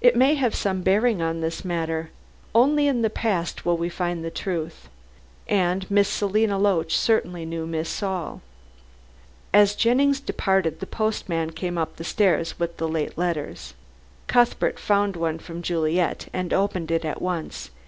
"It may have some bearing on this matter. Only in the past will we find the truth. And Miss Selina Loach certainly knew Miss Saul." As Jennings departed the postman came up the stairs with the late letters. Cuthbert found one from Juliet and opened it at once.